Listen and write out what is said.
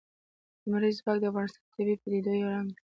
لمریز ځواک د افغانستان د طبیعي پدیدو یو رنګ دی.